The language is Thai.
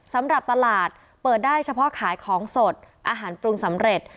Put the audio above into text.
สำหรับตลาดเปิดได้เฉพาะขายของสดอาหารปรุงสำเร็จ